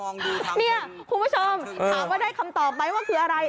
คุณผู้ชมถามว่าได้คำตอบไหมว่าคืออะไร